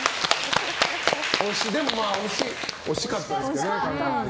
でも、惜しかったですけどね。